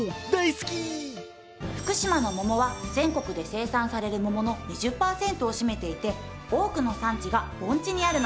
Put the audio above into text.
福島の桃は全国で生産される桃の２０パーセントを占めていて多くの産地が盆地にあるの。